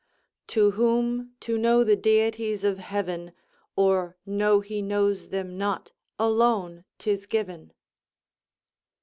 "To whom to know the deities of heaven, Or know he knows them not, alone 'tis given."